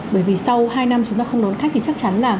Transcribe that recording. bởi vì sau hai năm chúng ta không đón khách thì chắc chắn là